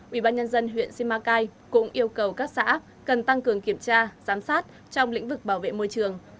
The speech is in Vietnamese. ủy ban nhân dân huyện simacai cũng yêu cầu các xã cần tăng cường kiểm tra giám sát trong lĩnh vực bảo vệ môi trường